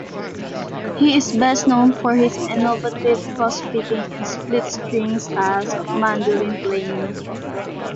He is best known for his innovative crosspicking and split-string styles of mandolin playing.